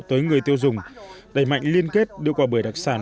tới người tiêu dùng đẩy mạnh liên kết đưa quả bưởi đặc sản